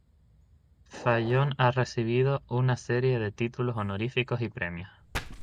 Fallon ha recibido una serie de títulos honoríficos y premios.